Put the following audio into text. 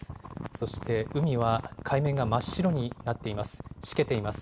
そして海は海面が真っ白になっています。